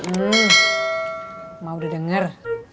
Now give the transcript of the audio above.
emak udah denger